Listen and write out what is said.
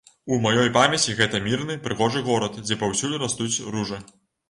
У маёй памяці гэта мірны, прыгожы горад, дзе паўсюль растуць ружы.